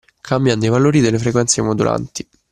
Cambiando i valori delle frequenze modulanti